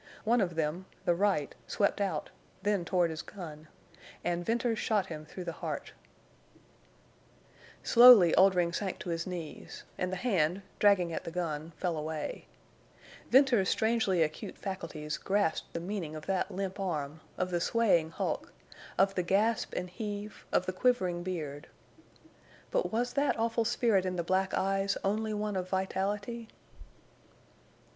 One of them, the right, swept out, then toward his gun—and Venters shot him through the heart. [Illustration: and Venters shot him through the heart] Slowly Oldring sank to his knees, and the hand, dragging at the gun, fell away. Venters's strangely acute faculties grasped the meaning of that limp arm, of the swaying hulk, of the gasp and heave, of the quivering beard. But was that awful spirit in the black eyes only one of vitality?